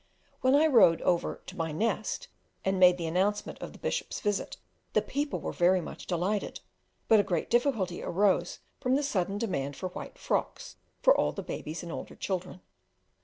When I rode over to my "nest" and made the announcement of the Bishop's visit, the people were very much delighted; but a great difficulty arose from the sudden demand for white frocks for all the babies and older children.